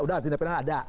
udah tidak pindah ada